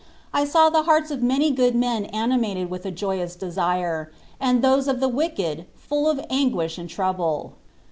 I saw the hearts of many good men animated with a joyous desire, and those of the wicked full of anguish and trouble.